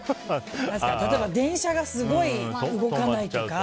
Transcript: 例えば電車がすごい動かないとか。